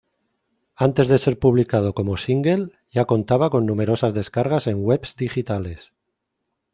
Antes de ser publicado como single ya contaba con numerosas descargas en webs digitales.